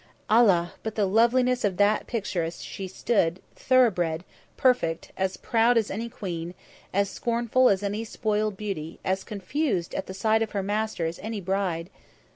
Allah! but the loveliness of that picture as she stood, thoroughbred, perfect, as proud as any queen, as scornful as any spoiled beauty, as confused at the sight of her master as any bride!